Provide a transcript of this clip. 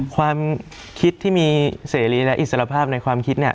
ความคิดที่มีเสรีและอิสรภาพในความคิดเนี่ย